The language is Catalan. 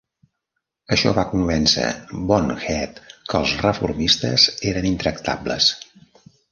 Això va convèncer Bond Head que els reformistes eren intractables.